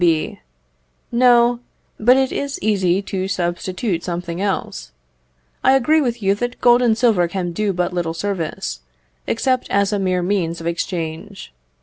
B. No, but it is easy to substitute something else. I agree with you that gold and silver can do but little service, except as a mere means of exchange.